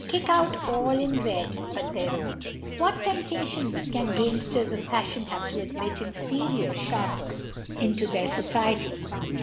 kick out all in Red but their own. What Temptatitions can Gamefters of Fafliion have, to admit inferior Sharpers into '(37 ) into their Society?